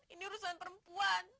ini urusan perempuan